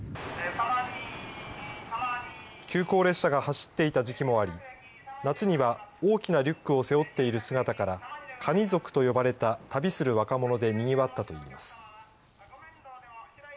急行列車が走っていた時期もあり、夏には大きなリュックを背負っている姿から、カニ族と呼ばれた旅する若者でにぎわったといいます。